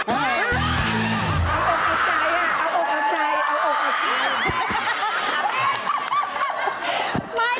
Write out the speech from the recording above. อ้าก็อบใจครับเอาอบใจ